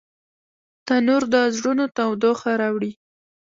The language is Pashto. تنور د زړونو تودوخه راوړي